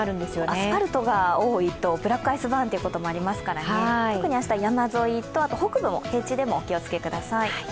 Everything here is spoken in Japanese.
アスファルトが多いとブラックアイスバーンということがありますから特に明日、山沿いと北部の平地でもお気をつけください。